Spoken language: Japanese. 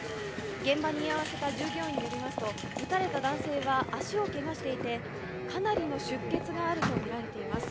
現場に居合わせた従業員によりますと撃たれた男性は足を怪我していてかなりの出血があるとみられています。